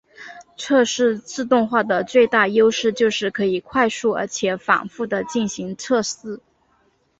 测试自动化的最大优势就是可以快速而且反覆的进行测试。